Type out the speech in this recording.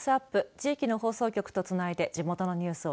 地域の放送局とつないで地元のニュースを